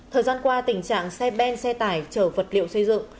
thời gian qua tình trạng xe ben xe tải chở vật liệu xây dựng